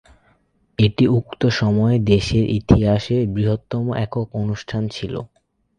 এটি উক্ত সময়ে দেশের ইতিহাসে বৃহত্তম একক অনুষ্ঠান ছিল।